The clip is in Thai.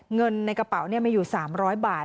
เงินในกระเป๋ามีอยู่๓๐๐บาท